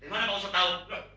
bagaimana pak usah tahu